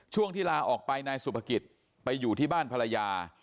ช่วงที่ลาออกไปนายสุภกิจไปอยู่ที่บ้านภรรยา